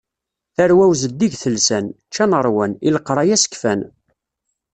Tarwa-w zeddigit lsan, ččan rwan, i leqraya sekfan.